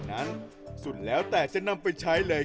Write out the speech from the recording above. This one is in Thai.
คิกคิกคิกคิกคิกคิกคิก